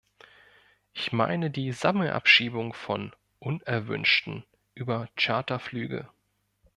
Ich meine die Sammelabschiebung von "Unerwünschten" über Charterflüge.